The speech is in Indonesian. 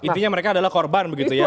intinya mereka adalah korban begitu ya